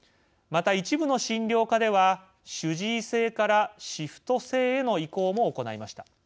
また、一部の診療科では主治医制からシフト制への移行も行いました。